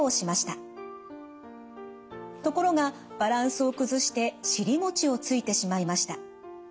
ところがバランスを崩して尻もちをついてしまいました。